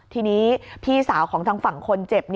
ทีนี้พี่สาวของทางฝั่งคนเจ็บ